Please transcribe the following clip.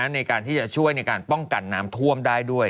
ในการที่จะช่วยในการป้องกันน้ำท่วมได้ด้วย